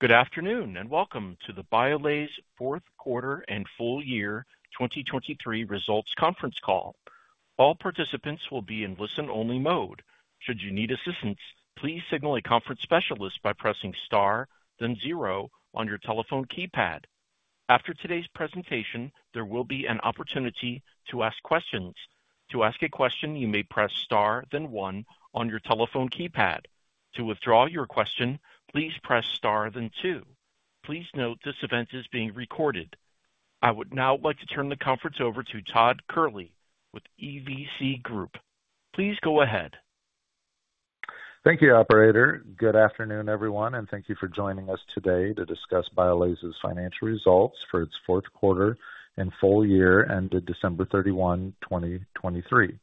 Good afternoon and welcome to the BIOLASE fourth quarter and full year 2023 results conference call. All participants will be in listen-only mode. Should you need assistance, please signal a conference specialist by pressing star then zero on your telephone keypad. After today's presentation, there will be an opportunity to ask questions. To ask a question, you may press star then one on your telephone keypad. To withdraw your question, please press star then two. Please note this event is being recorded. I would now like to turn the conference over to Todd Kehrli with EVC Group. Please go ahead. Thank you, operator. Good afternoon, everyone, and thank you for joining us today to discuss BIOLASE's financial results for its fourth quarter and full year ended December 31, 2023.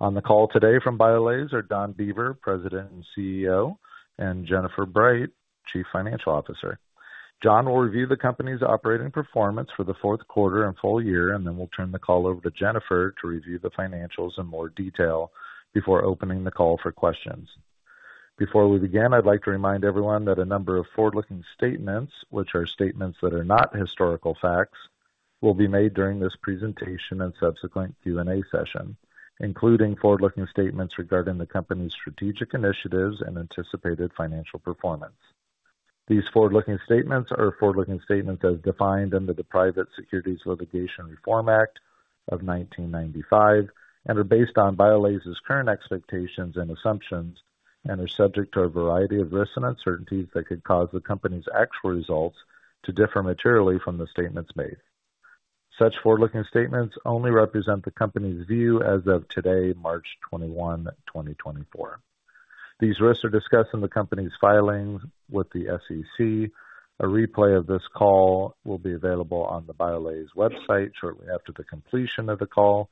On the call today from BIOLASE are John Beaver, President and CEO, and Jennifer Bright, Chief Financial Officer. John will review the company's operating performance for the fourth quarter and full year, and then we'll turn the call over to Jennifer to review the financials in more detail before opening the call for questions. Before we begin, I'd like to remind everyone that a number of forward-looking statements, which are statements that are not historical facts, will be made during this presentation and subsequent Q&A session, including forward-looking statements regarding the company's strategic initiatives and anticipated financial performance. These forward-looking statements are forward-looking statements as defined under the Private Securities Litigation Reform Act of 1995 and are based on BIOLASE's current expectations and assumptions, and are subject to a variety of risks and uncertainties that could cause the company's actual results to differ materially from the statements made. Such forward-looking statements only represent the company's view as of today, March 21, 2024. These risks are discussed in the company's filings with the SEC. A replay of this call will be available on the BIOLASE website shortly after the completion of the call.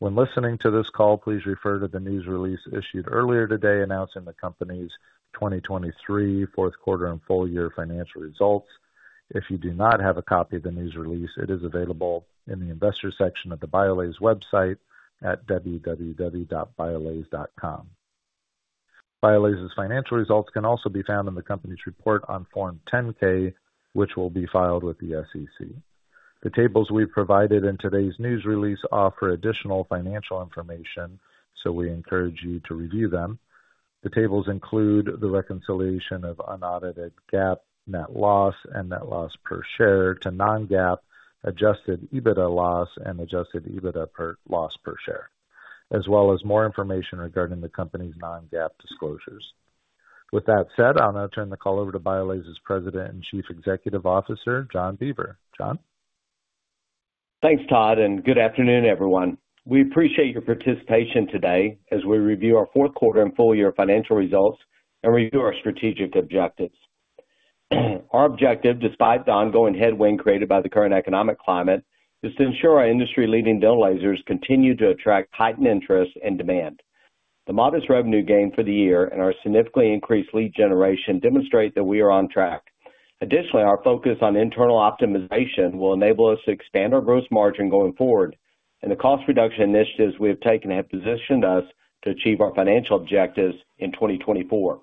When listening to this call, please refer to the news release issued earlier today announcing the company's 2023 fourth quarter and full year financial results. If you do not have a copy of the news release, it is available in the investor section of the BIOLASE website at www.biolase.com. BIOLASE's financial results can also be found in the company's report on Form 10-K, which will be filed with the SEC. The tables we've provided in today's news release offer additional financial information, so we encourage you to review them. The tables include the reconciliation of unaudited GAAP net loss and net loss per share to non-GAAP adjusted EBITDA loss and adjusted EBITDA loss per share, as well as more information regarding the company's non-GAAP disclosures. With that said, I'll now turn the call over to BIOLASE's President and Chief Executive Officer, John Beaver. John? Thanks, Todd, and good afternoon, everyone. We appreciate your participation today as we review our fourth quarter and full year financial results and review our strategic objectives. Our objective, despite the ongoing headwind created by the current economic climate, is to ensure our industry-leading lasers continue to attract heightened interest and demand. The modest revenue gain for the year and our significantly increased lead generation demonstrate that we are on track. Additionally, our focus on internal optimization will enable us to expand our gross margin going forward, and the cost reduction initiatives we have taken have positioned us to achieve our financial objectives in 2024.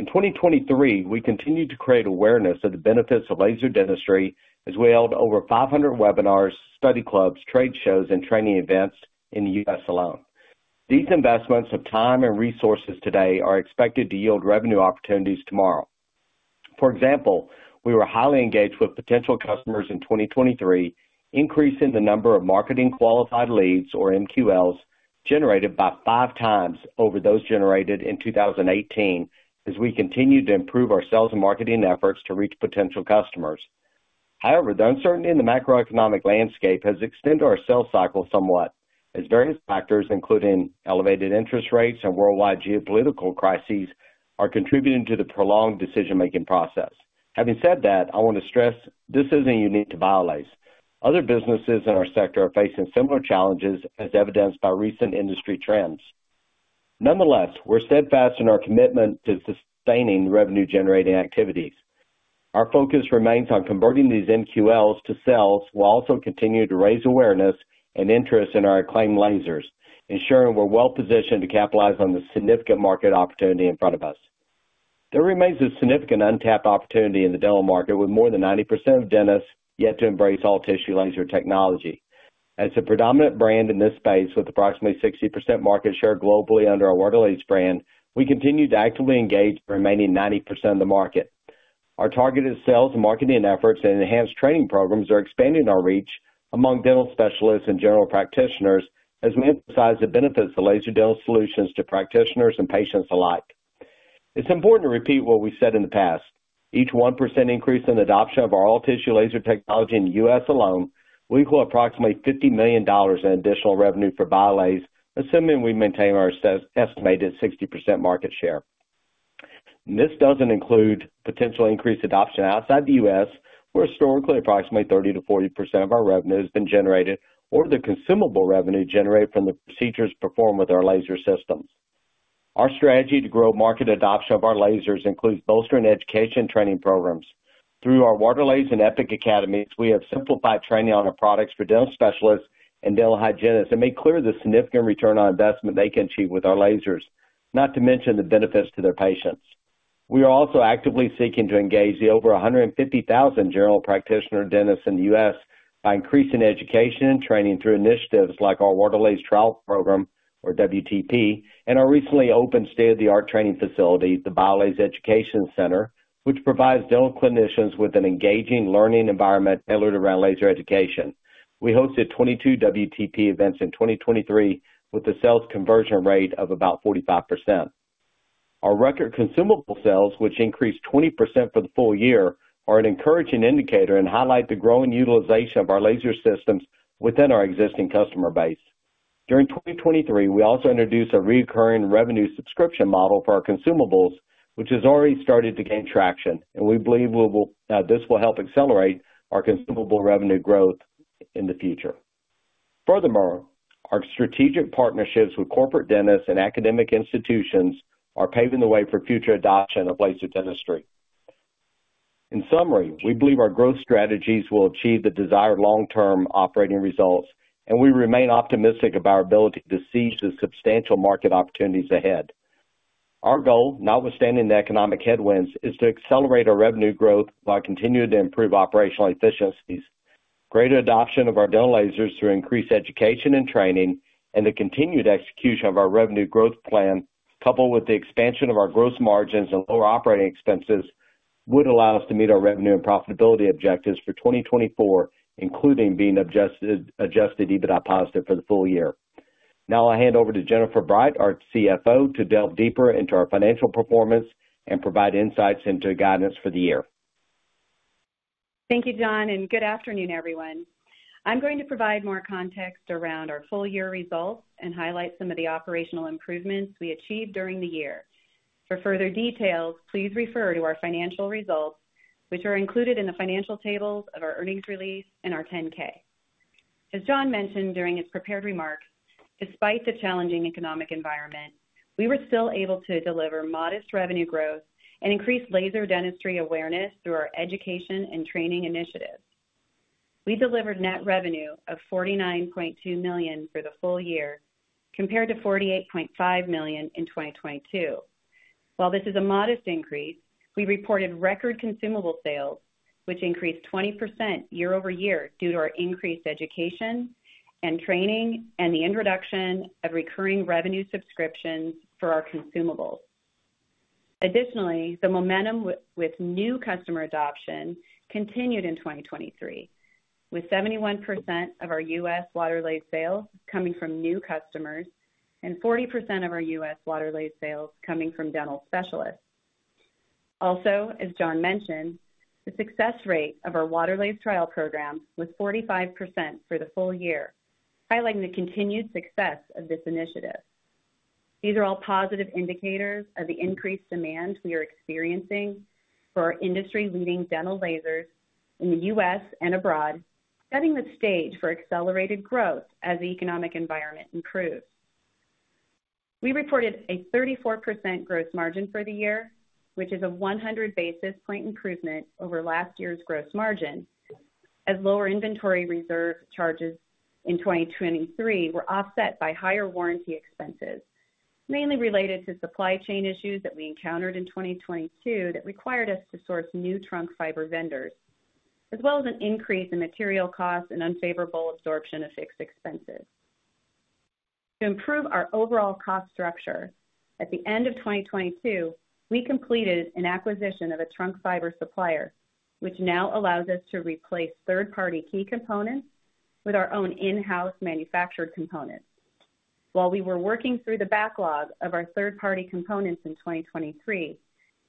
In 2023, we continued to create awareness of the benefits of laser dentistry as we held over 500 webinars, study clubs, trade shows, and training events in the U.S. alone. These investments of time and resources today are expected to yield revenue opportunities tomorrow. For example, we were highly engaged with potential customers in 2023, increasing the number of marketing qualified leads, or MQLs, generated by 5x over those generated in 2018 as we continue to improve our sales and marketing efforts to reach potential customers. However, the uncertainty in the macroeconomic landscape has extended our sales cycle somewhat as various factors, including elevated interest rates and worldwide geopolitical crises, are contributing to the prolonged decision-making process. Having said that, I want to stress this isn't unique to BIOLASE. Other businesses in our sector are facing similar challenges, as evidenced by recent industry trends. Nonetheless, we're steadfast in our commitment to sustaining revenue-generating activities. Our focus remains on converting these MQLs to sales while also continuing to raise awareness and interest in our acclaimed lasers, ensuring we're well-positioned to capitalize on the significant market opportunity in front of us. There remains a significant untapped opportunity in the dental market with more than 90% of dentists yet to embrace all-tissue laser technology. As the predominant brand in this space, with approximately 60% market share globally under our Waterlase brand, we continue to actively engage the remaining 90% of the market. Our targeted sales and marketing efforts and enhanced training programs are expanding our reach among dental specialists and general practitioners as we emphasize the benefits of laser dental solutions to practitioners and patients alike. It's important to repeat what we said in the past: each 1% increase in adoption of our all-tissue laser technology in the U.S. alone will equal approximately $50 million in additional revenue for BIOLASE, assuming we maintain our estimated 60% market share. This doesn't include potential increased adoption outside the U.S., where historically approximately 30%-40% of our revenue has been generated or the consumable revenue generated from the procedures performed with our laser systems. Our strategy to grow market adoption of our lasers includes bolstering education and training programs. Through our Waterlase and Epic Academies, we have simplified training on our products for dental specialists and dental hygienists and made clear the significant return on investment they can achieve with our lasers, not to mention the benefits to their patients. We are also actively seeking to engage the over 150,000 general practitioner dentists in the U.S. by increasing education and training through initiatives like our Waterlase Trial Program, or WTP, and our recently open state-of-the-art training facility, the BIOLASE Education Center, which provides dental clinicians with an engaging learning environment tailored around laser education. We hosted 22 WTP events in 2023 with a sales conversion rate of about 45%. Our record consumable sales, which increased 20% for the full year, are an encouraging indicator and highlight the growing utilization of our laser systems within our existing customer base. During 2023, we also introduced a recurring revenue subscription model for our consumables, which has already started to gain traction, and we believe this will help accelerate our consumable revenue growth in the future. Furthermore, our strategic partnerships with corporate dentists and academic institutions are paving the way for future adoption of laser dentistry. In summary, we believe our growth strategies will achieve the desired long-term operating results, and we remain optimistic about our ability to seize the substantial market opportunities ahead. Our goal, notwithstanding the economic headwinds, is to accelerate our revenue growth by continuing to improve operational efficiencies, greater adoption of our dental lasers through increased education and training, and the continued execution of our revenue growth plan, coupled with the expansion of our gross margins and lower operating expenses, would allow us to meet our revenue and profitability objectives for 2024, including being adjusted EBITDA positive for the full year. Now I'll hand over to Jennifer Bright, our CFO, to delve deeper into our financial performance and provide insights into guidance for the year. Thank you, John, and good afternoon, everyone. I'm going to provide more context around our full year results and highlight some of the operational improvements we achieved during the year. For further details, please refer to our financial results, which are included in the financial tables of our earnings release and our 10-K. As John mentioned during his prepared remarks, despite the challenging economic environment, we were still able to deliver modest revenue growth and increase laser dentistry awareness through our education and training initiatives. We delivered net revenue of $49.2 million for the full year, compared to $48.5 million in 2022. While this is a modest increase, we reported record consumable sales, which increased 20% year-over-year due to our increased education and training and the introduction of recurring revenue subscriptions for our consumables. Additionally, the momentum with new customer adoption continued in 2023, with 71% of our U.S. Waterlase sales coming from new customers and 40% of our U.S. Waterlase sales coming from dental specialists. Also, as John mentioned, the success rate of our Waterlase Trial Program was 45% for the full year, highlighting the continued success of this initiative. These are all positive indicators of the increased demand we are experiencing for our industry-leading dental lasers in the U.S. and abroad, setting the stage for accelerated growth as the economic environment improves. We reported a 34% gross margin for the year, which is a 100 basis point improvement over last year's gross margin, as lower inventory reserve charges in 2023 were offset by higher warranty expenses, mainly related to supply chain issues that we encountered in 2022 that required us to source new trunk fiber vendors, as well as an increase in material costs and unfavorable absorption of fixed expenses. To improve our overall cost structure, at the end of 2022, we completed an acquisition of a trunk fiber supplier, which now allows us to replace third-party key components with our own in-house manufactured components. While we were working through the backlog of our third-party components in 2023,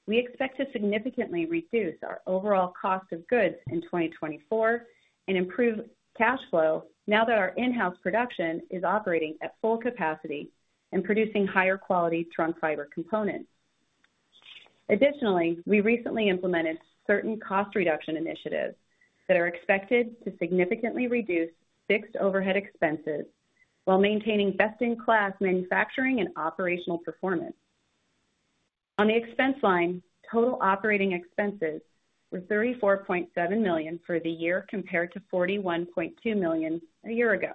we expect to significantly reduce our overall cost of goods in 2024 and improve cash flow now that our in-house production is operating at full capacity and producing higher-quality trunk fiber components. Additionally, we recently implemented certain cost reduction initiatives that are expected to significantly reduce fixed overhead expenses while maintaining best-in-class manufacturing and operational performance. On the expense line, total operating expenses were $34.7 million for the year compared to $41.2 million a year ago.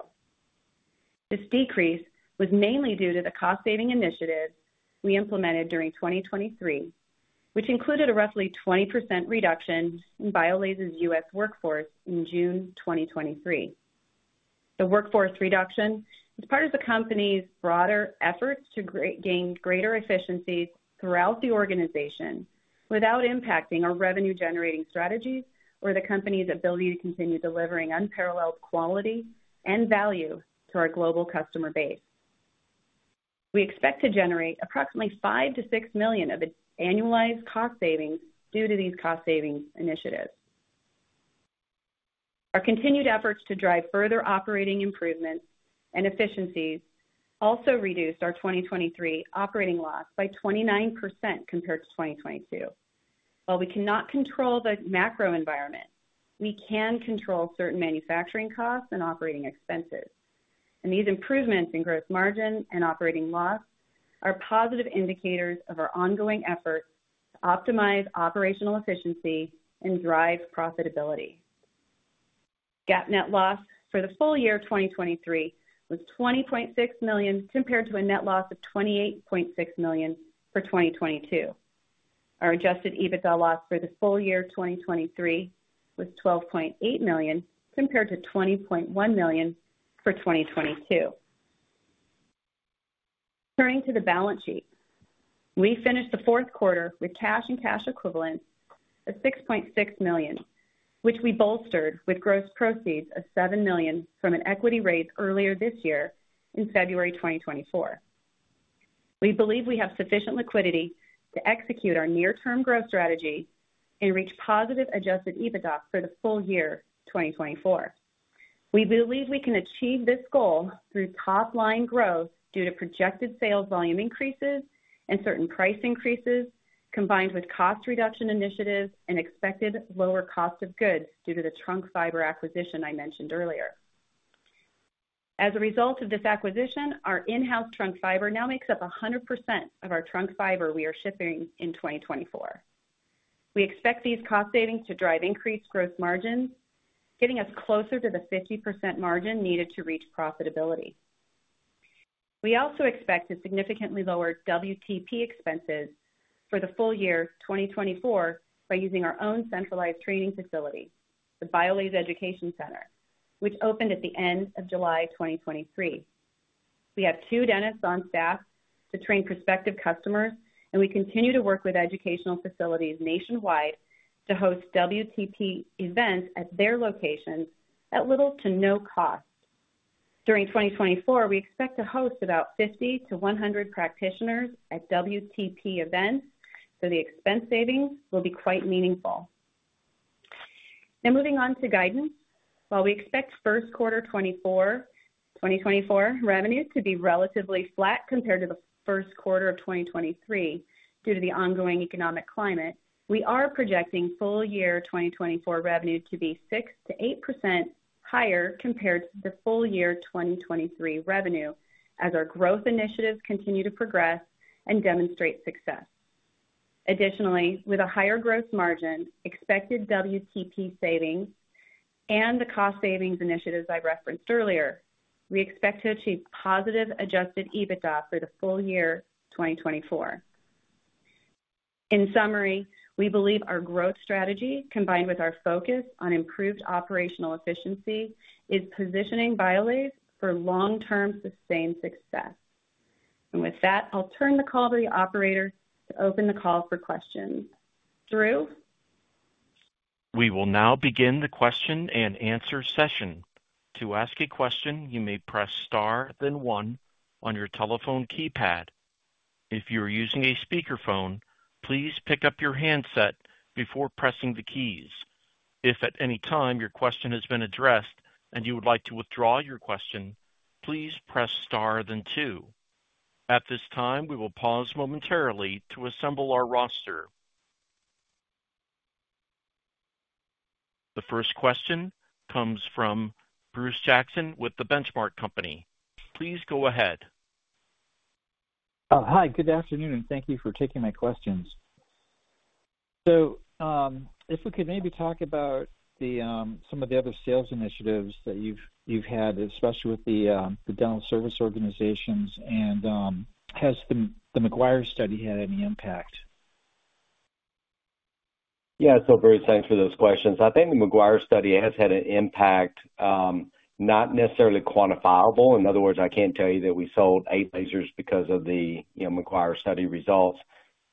This decrease was mainly due to the cost-saving initiatives we implemented during 2023, which included a roughly 20% reduction in BIOLASE's U.S. workforce in June 2023. The workforce reduction is part of the company's broader efforts to gain greater efficiencies throughout the organization without impacting our revenue-generating strategies or the company's ability to continue delivering unparalleled quality and value to our global customer base. We expect to generate approximately $5 million-$6 million of annualized cost savings due to these cost savings initiatives. Our continued efforts to drive further operating improvements and efficiencies also reduced our 2023 operating loss by 29% compared to 2022. While we cannot control the macro environment, we can control certain manufacturing costs and operating expenses, and these improvements in gross margin and operating loss are positive indicators of our ongoing efforts to optimize operational efficiency and drive profitability. GAAP net loss for the full year 2023 was $20.6 million compared to a net loss of $28.6 million for 2022. Our adjusted EBITDA loss for the full year 2023 was $12.8 million compared to $20.1 million for 2022. Turning to the balance sheet, we finished the fourth quarter with cash and cash equivalents of $6.6 million, which we bolstered with gross proceeds of $7 million from an equity raise earlier this year in February 2024. We believe we have sufficient liquidity to execute our near-term growth strategy and reach positive adjusted EBITDA for the full year 2024. We believe we can achieve this goal through top-line growth due to projected sales volume increases and certain price increases combined with cost reduction initiatives and expected lower cost of goods due to the trunk fiber acquisition I mentioned earlier. As a result of this acquisition, our in-house trunk fiber now makes up 100% of our trunk fiber we are shipping in 2024. We expect these cost savings to drive increased gross margins, getting us closer to the 50% margin needed to reach profitability. We also expect to significantly lower WTP expenses for the full year 2024 by using our own centralized training facility, the BIOLASE Education Center, which opened at the end of July 2023. We have two dentists on staff to train prospective customers, and we continue to work with educational facilities nationwide to host WTP events at their locations at little to no cost. During 2024, we expect to host about 50-100 practitioners at WTP events, so the expense savings will be quite meaningful. Now moving on to guidance, while we expect first quarter 2024 revenue to be relatively flat compared to the first quarter of 2023 due to the ongoing economic climate, we are projecting full year 2024 revenue to be 6%-8% higher compared to the full year 2023 revenue as our growth initiatives continue to progress and demonstrate success. Additionally, with a higher gross margin, expected WTP savings, and the cost savings initiatives I referenced earlier, we expect to achieve positive adjusted EBITDA for the full year 2024. In summary, we believe our growth strategy, combined with our focus on improved operational efficiency, is positioning BIOLASE for long-term sustained success. And with that, I'll turn the call to the operator to open the call for questions. Drew? We will now begin the question and answer session. To ask a question, you may press star then one on your telephone keypad. If you are using a speakerphone, please pick up your handset before pressing the keys. If at any time your question has been addressed and you would like to withdraw your question, please press star then two. At this time, we will pause momentarily to assemble our roster. The first question comes from Bruce Jackson with The Benchmark Company. Please go ahead. Hi, good afternoon, and thank you for taking my questions. So if we could maybe talk about some of the other sales initiatives that you've had, especially with the dental service organizations, and has the McGuire study had any impact? Yeah, so Bruce, thanks for those questions. I think the McGuire study has had an impact, not necessarily quantifiable. In other words, I can't tell you that we sold eight lasers because of the McGuire study results,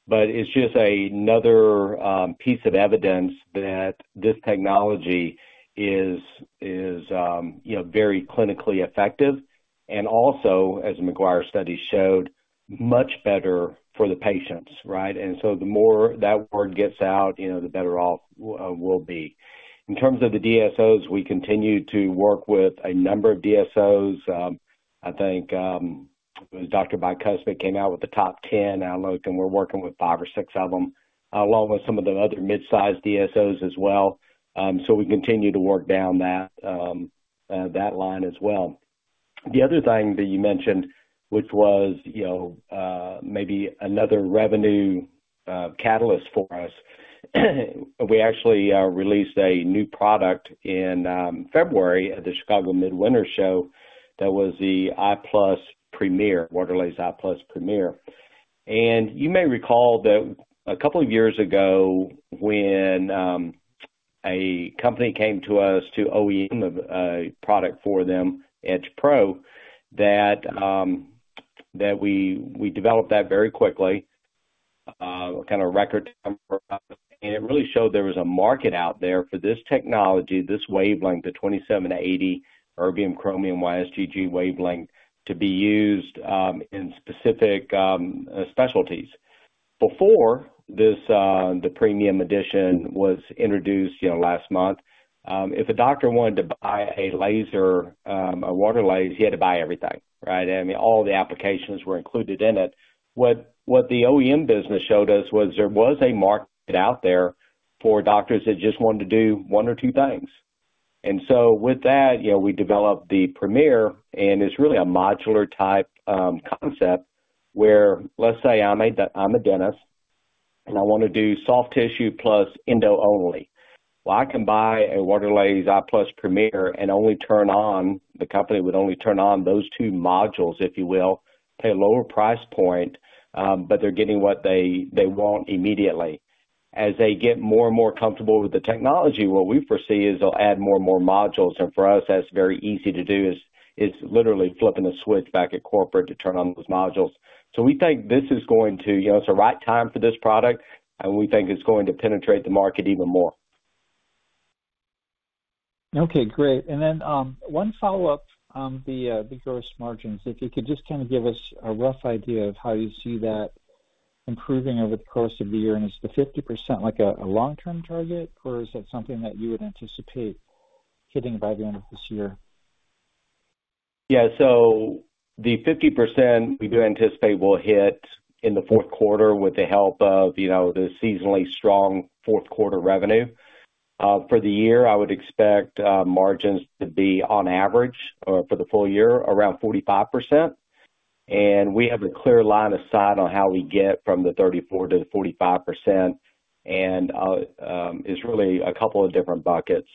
but it's just another piece of evidence that this technology is very clinically effective and also, as the McGuire study showed, much better for the patients, right? And so the more that word gets out, the better off we'll be. In terms of the DSOs, we continue to work with a number of DSOs. I think it was DrBicuspid who came out with the top 10 outlook, and we're working with five or six of them, along with some of the other midsize DSOs as well. So we continue to work down that line as well. The other thing that you mentioned, which was maybe another revenue catalyst for us, we actually released a new product in February at the Chicago Midwinter Show that was the iPlus Premier, Waterlase iPlus Premier. And you may recall that a couple of years ago when a company came to us to OEM a product for them, EdgePRO, that we developed that very quickly, kind of record time, and it really showed there was a market out there for this technology, this wavelength, the 2780 Erbium Chromium YSGG wavelength, to be used in specific specialties. Before the premium edition was introduced last month, if a doctor wanted to buy a laser, a Waterlase, he had to buy everything, right? I mean, all the applications were included in it. What the OEM business showed us was there was a market out there for doctors that just wanted to do one or two things. And so with that, we developed the Premier, and it's really a modular-type concept where, let's say I'm a dentist and I want to do soft tissue plus endo only. Well, I can buy a Waterlase iPlus Premier and only turn on the company would only turn on those two modules, if you will, pay a lower price point, but they're getting what they want immediately. As they get more and more comfortable with the technology, what we foresee is they'll add more and more modules. And for us, that's very easy to do. It's literally flipping a switch back at corporate to turn on those modules. We think it's the right time for this product, and we think it's going to penetrate the market even more. Okay, great. And then one follow-up on the gross margins. If you could just kind of give us a rough idea of how you see that improving over the course of the year? And is the 50% a long-term target, or is that something that you would anticipate hitting by the end of this year? Yeah, so the 50% we do anticipate we'll hit in the fourth quarter with the help of the seasonally strong fourth-quarter revenue. For the year, I would expect margins to be, on average, for the full year, around 45%. And we have a clear line of sight on how we get from the 34% to the 45%, and it's really a couple of different buckets.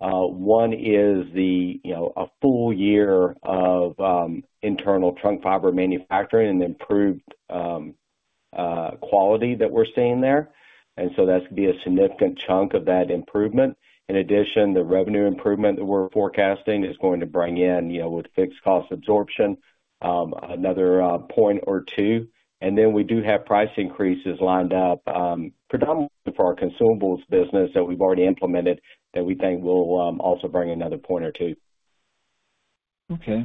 One is a full year of internal trunk fiber manufacturing and improved quality that we're seeing there. And so that's going to be a significant chunk of that improvement. In addition, the revenue improvement that we're forecasting is going to bring in, with fixed cost absorption, another point or two. And then we do have price increases lined up, predominantly for our consumables business that we've already implemented, that we think will also bring another point or two. Okay.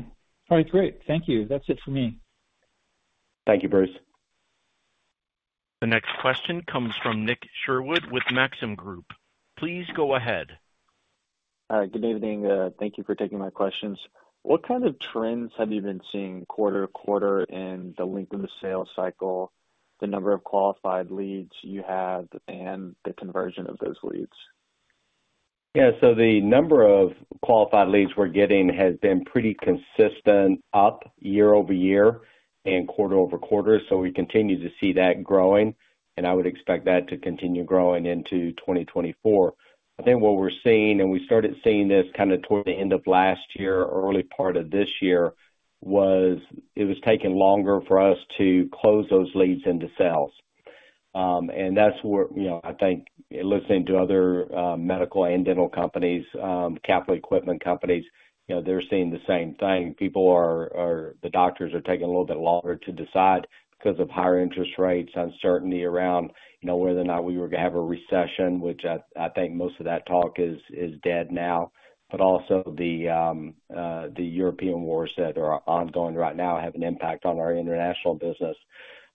All right, great. Thank you. That's it for me. Thank you, Bruce. The next question comes from Nick Sherwood with Maxim Group. Please go ahead. Good evening. Thank you for taking my questions. What kind of trends have you been seeing quarter to quarter in the length of the sales cycle, the number of qualified leads you have, and the conversion of those leads? Yeah, so the number of qualified leads we're getting has been pretty consistent up year-over-year and quarter-over-quarter, so we continue to see that growing, and I would expect that to continue growing into 2024. I think what we're seeing and we started seeing this kind of toward the end of last year, early part of this year, was it was taking longer for us to close those leads into sales. And that's where I think listening to other medical and dental companies, capital equipment companies, they're seeing the same thing. The doctors are taking a little bit longer to decide because of higher interest rates, uncertainty around whether or not we were going to have a recession, which I think most of that talk is dead now, but also the European wars that are ongoing right now have an impact on our international business.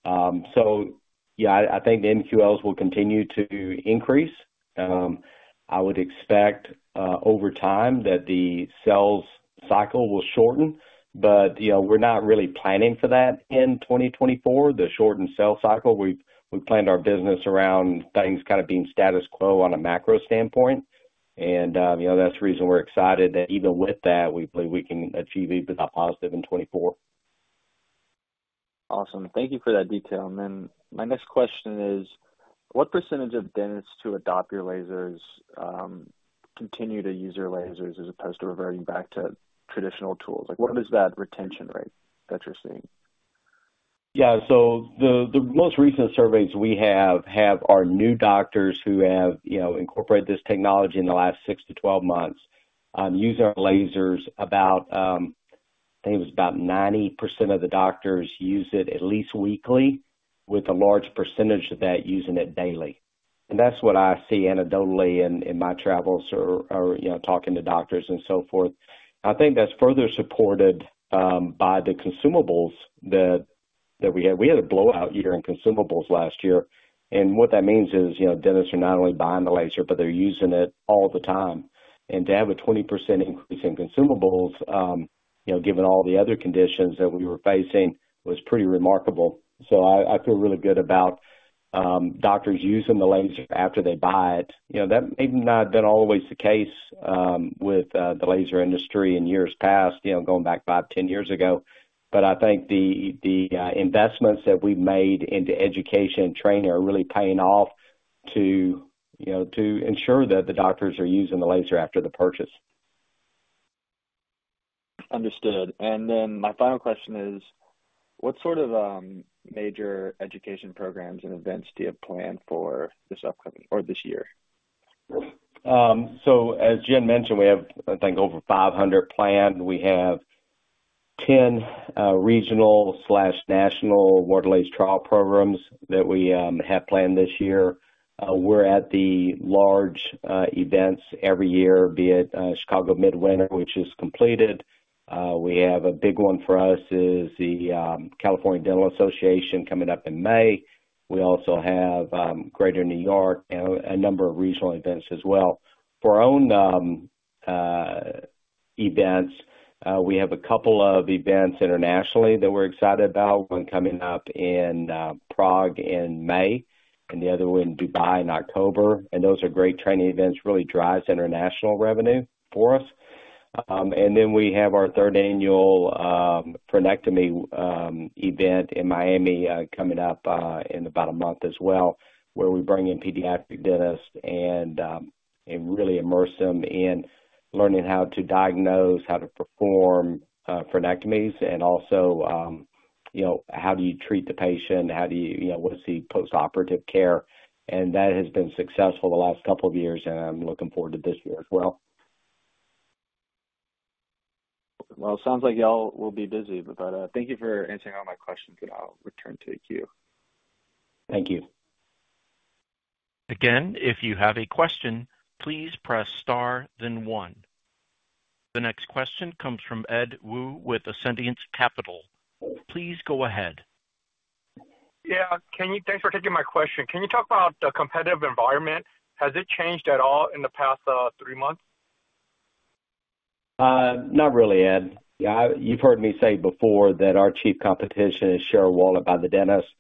So yeah, I think the MQLs will continue to increase. I would expect, over time, that the sales cycle will shorten, but we're not really planning for that in 2024, the shortened sales cycle. We planned our business around things kind of being status quo on a macro standpoint, and that's the reason we're excited that even with that, we believe we can achieve EBITDA positive in 2024. Awesome. Thank you for that detail. My next question is, what percentage of dentists who adopt your lasers continue to use your lasers as opposed to reverting back to traditional tools? What is that retention rate that you're seeing? Yeah, so the most recent surveys we have our new doctors who have incorporated this technology in the last 6-12 months using our lasers. I think it was about 90% of the doctors use it at least weekly, with a large percentage of that using it daily. And that's what I see anecdotally in my travels or talking to doctors and so forth. I think that's further supported by the consumables that we had. We had a blowout year in consumables last year, and what that means is dentists are not only buying the laser, but they're using it all the time. And to have a 20% increase in consumables, given all the other conditions that we were facing, was pretty remarkable. So I feel really good about doctors using the laser after they buy it. That may have not been always the case with the laser industry in years past, going back 5-10 years ago, but I think the investments that we've made into education and training are really paying off to ensure that the doctors are using the laser after the purchase. Understood. And then my final question is, what sort of major education programs and events do you have planned for this upcoming or this year? So as Jen mentioned, we have, I think, over 500 planned. We have 10 regional/national Waterlase Trial Program that we have planned this year. We're at the large events every year, be it Chicago Midwinter, which is completed. A big one for us is the California Dental Association coming up in May. We also have Greater New York and a number of regional events as well. For our own events, we have a couple of events internationally that we're excited about. One coming up in Prague in May and the other one in Dubai in October. And those are great training events, really drives international revenue for us. Then we have our third annual frenectomy event in Miami coming up in about a month as well, where we bring in pediatric dentists and really immerse them in learning how to diagnose, how to perform frenectomies, and also how do you treat the patient, what's the postoperative care. That has been successful the last couple of years, and I'm looking forward to this year as well. Well, it sounds like y'all will be busy, but thank you for answering all my questions, and I'll return to you. Thank you. Again, if you have a question, please press star then one. The next question comes from Ed Woo with Ascendiant Capital. Please go ahead. Yeah, thanks for taking my question. Can you talk about the competitive environment? Has it changed at all in the past three months? Not really, Ed. You've heard me say before that our chief competition is share of wallet by the dentists.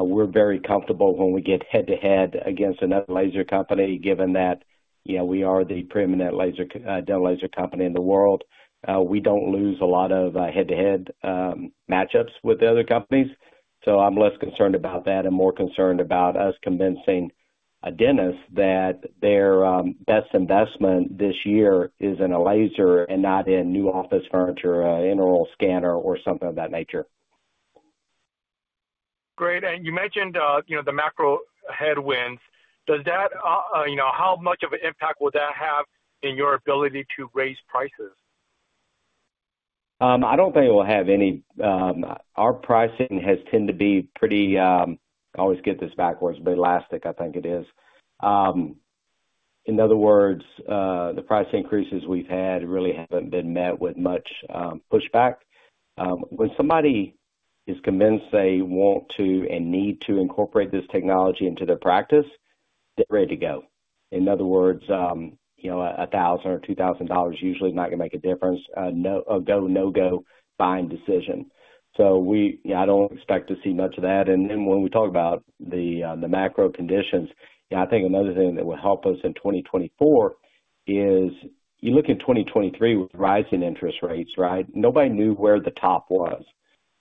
We're very comfortable when we get head-to-head against another laser company, given that we are the preeminent dental laser company in the world. We don't lose a lot of head-to-head matchups with the other companies, so I'm less concerned about that and more concerned about us convincing a dentist that their best investment this year is in a laser and not in new office furniture, intraoral scanner, or something of that nature. Great. You mentioned the macro headwinds. How much of an impact will that have in your ability to raise prices? I don't think it will have any. Our pricing has tended to be pretty, I always get this backwards, but elastic, I think it is. In other words, the price increases we've had really haven't been met with much pushback. When somebody is convinced they want to and need to incorporate this technology into their practice, get ready to go. In other words, $1,000 or $2,000 is usually not going to make a difference, a go-no-go buying decision. So I don't expect to see much of that. And then when we talk about the macro conditions, I think another thing that will help us in 2024 is you look in 2023 with rising interest rates, right? Nobody knew where the top was.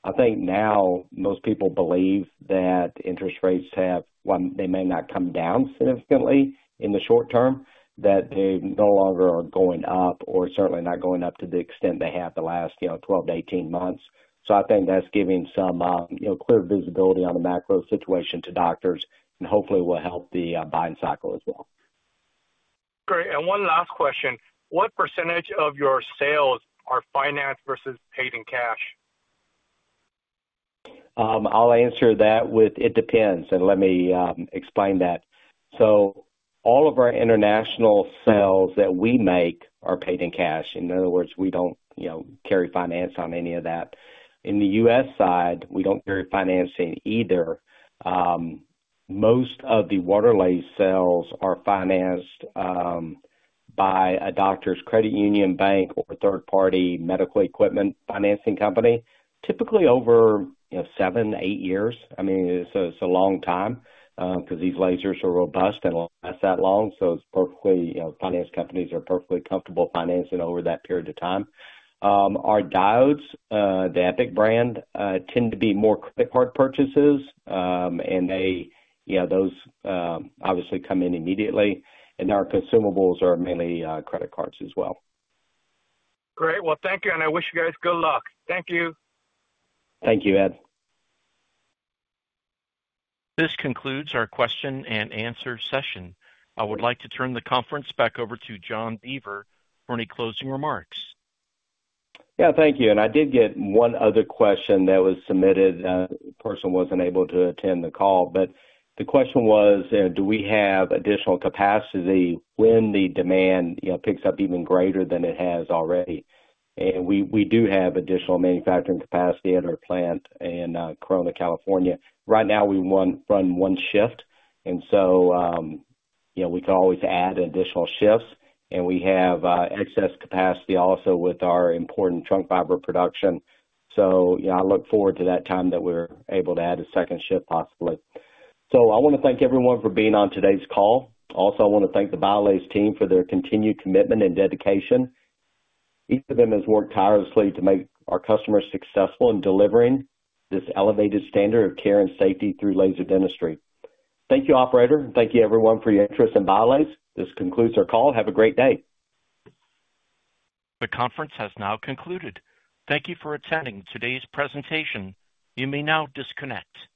I think now most people believe that interest rates have they may not come down significantly in the short term, that they no longer are going up, or certainly not going up to the extent they have the last 12-18 months. So I think that's giving some clear visibility on the macro situation to doctors and hopefully will help the buying cycle as well. Great. One last question. What percentage of your sales are financed versus paid in cash? I'll answer that with it depends, and let me explain that. So all of our international sales that we make are paid in cash. In other words, we don't carry finance on any of that. In the U.S. side, we don't carry financing either. Most of the Waterlase sales are financed by a doctor's credit union bank or third-party medical equipment financing company, typically over 7-8 years. I mean, it's a long time because these lasers are robust and last that long, so finance companies are perfectly comfortable financing over that period of time. Our diodes, the Epic brand, tend to be more credit card purchases, and those obviously come in immediately. And our consumables are mainly credit cards as well. Great. Well, thank you, and I wish you guys good luck. Thank you. Thank you, Ed. This concludes our question and answer session. I would like to turn the conference back over to John Beaver for any closing remarks. Yeah, thank you. I did get one other question that was submitted. A person wasn't able to attend the call, but the question was, do we have additional capacity when the demand picks up even greater than it has already? We do have additional manufacturing capacity at our plant in Corona, California. Right now, we run one shift, and so we could always add additional shifts. We have excess capacity also with our important trunk fiber production. I look forward to that time that we're able to add a second shift, possibly. I want to thank everyone for being on today's call. Also, I want to thank the BIOLASE team for their continued commitment and dedication. Each of them has worked tirelessly to make our customers successful in delivering this elevated standard of care and safety through laser dentistry. Thank you, operator. Thank you, everyone, for your interest in BIOLASE. This concludes our call. Have a great day. The conference has now concluded. Thank you for attending today's presentation. You may now disconnect.